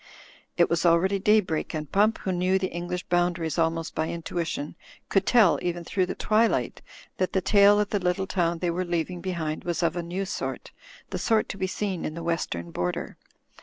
It was already daybreak, and Pump, who knew the English boundaries almost by intuition, could tell even through the twilight that the tail of the little town they were leaving behind was of a new sort, the sort to be seen in the western border.